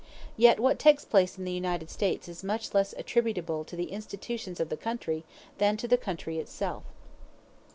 Yet what takes place in the United States is much less attributable to the institutions of the country than to the country itself.